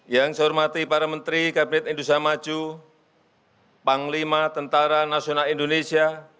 yang saya hormati para menteri kabinet indonesia maju panglima tentara nasional indonesia